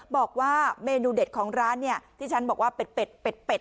บอกว่าเมนูเด็ดของร้านเนี่ยที่ฉันบอกว่าเป็ดเป็ดเป็ดเป็ดอ่ะ